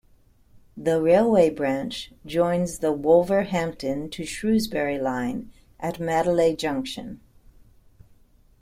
The railway branch joins the Wolverhampton to Shrewsbury line at Madeley Junction.